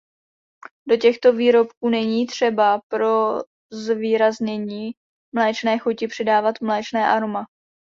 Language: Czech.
Do těchto výrobků není třeba pro zvýraznění mléčné chuti přidávat mléčné aroma.